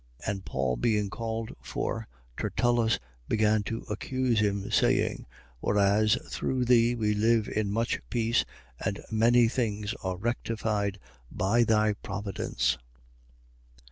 24:2. And Paul being called for, Tertullus began to accuse him, saying: Whereas, through thee we live in much peace and many things are rectified by thy providence, 24:3.